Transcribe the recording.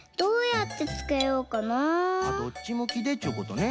どっちむきでっちゅうことね。